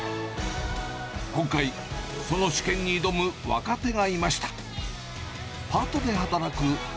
今回、その試験に挑む若手がいました。